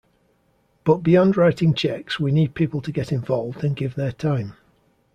But beyond writing checks, we need people to get involved and give their time.